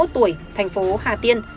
năm mươi một tuổi thành phố hà tiên